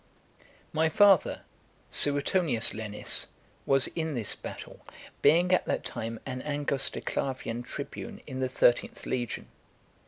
X. My father, Suetonius Lenis , was in this battle, being at (424) that time an angusticlavian tribune in the thirteenth legion.